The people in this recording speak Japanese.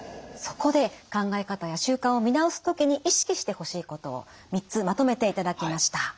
そこで考え方や習慣を見直す時に意識してほしいことを３つまとめていただきました。